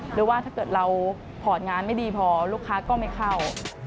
หรือว่าถ้าเกิดเราพอร์ตงานไม่ดีพอลูกค้าก็ไม่เข้า